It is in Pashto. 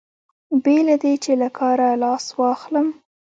بې له دې چې له کاره لاس واخلم.